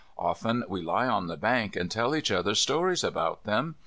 Often we lie on the bank and tell each other stories about them.